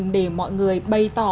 để mọi người bày tỏ